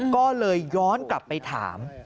ก็เลยย้อนกลับไปถาม